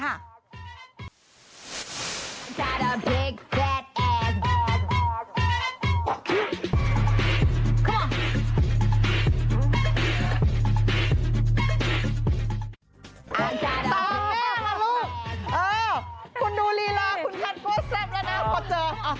ตามแม่ละลูกคุณดูรีละคุณคันก็แซ่บแล้วนะพอเจอ